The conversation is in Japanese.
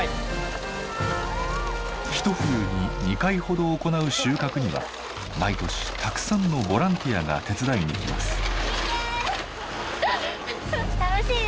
ひと冬に２回ほど行う収穫には毎年たくさんのボランティアが手伝いにきます。